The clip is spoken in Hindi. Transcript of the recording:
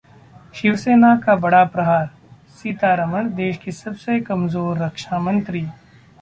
शिवसेना का बड़ा प्रहार- सीतारमण देश की सबसे कमजोर रक्षामंत्री